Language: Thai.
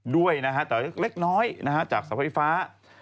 ด้วยนะฮะแต่เล็กน้อยจากเสาไฟฟ้า